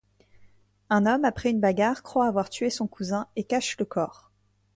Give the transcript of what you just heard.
Un homme, après une bagarre, croit avoir tué son cousin, et cache le corps.